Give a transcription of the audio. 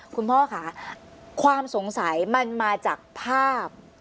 คุณพ่อค่ะความสงสัยมันมาจากภาพ